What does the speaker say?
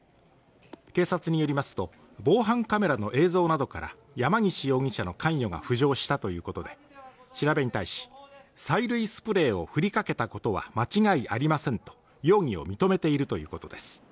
警察によりますと、防犯カメラの映像などから山岸容疑者の関与が浮上したということで、調べに対し、催涙スプレーを振りかけたことは、間違いありませんと容疑を認めているということです。